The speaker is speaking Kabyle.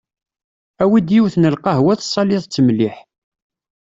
Awi-d yiwet n lqehwa tessaliḍ-tt mliḥ.